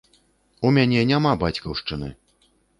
У мяне няма бацькаўшчыны!